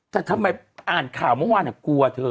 แต่ทำไมอ่านข่าวเมื่อวานกลัวเธอ